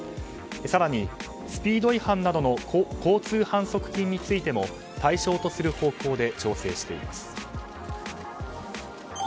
更にスピード違反などの交通反則金についても対象とする方向で調整しています。